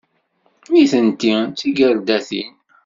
Nitenti d tigerdatin.